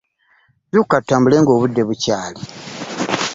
Zuukuka tutambule ng'obudde bukyali.